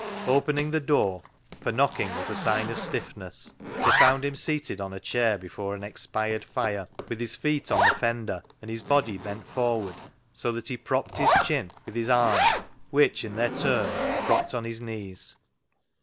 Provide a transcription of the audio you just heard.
Opening the door — for knocking was a sign of stiffness — they found him seated on a chair before an expired fire, with his feet on the fender and his body bent forward, so that he propped his chin with his 148 CLOG SHOP CHRONICLES arms, which, in their turn, were propped on his knees.